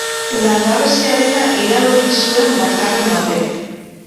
Langabeziarena iradoki zuen bakarren batek.